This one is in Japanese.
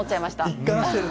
一貫してる。